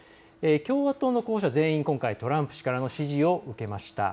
共和党の候補者、全員トランプ氏からの支持を今回、受けました。